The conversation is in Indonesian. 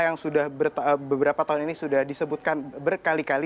yang sudah beberapa tahun ini sudah disebutkan berkali kali